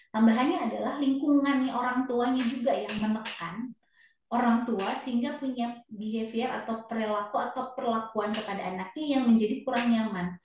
tambahannya adalah lingkungannya orang tuanya juga yang menekan orang tua sehingga punya behavior atau perilaku atau perlakuan kepada anaknya yang menjadi kurang nyaman